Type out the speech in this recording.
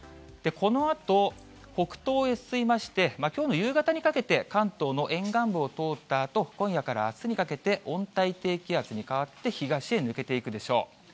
このあと、北東へ進みまして、きょうの夕方にかけて、関東の沿岸部を通ったあと、今夜からあすにかけて温帯低気圧に変わって、東へ抜けていくでしょう。